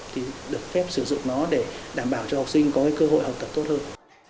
thì được phép sử dụng nó để đảm bảo cho học sinh có cơ hội học tập tốt hơn